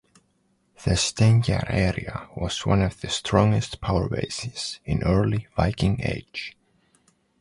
The Steinkjer area was one of the strongest powerbases in early Viking age.